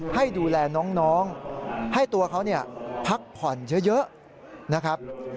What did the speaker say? ให้ตัวเขาพักผ่อนเยอะนะครับ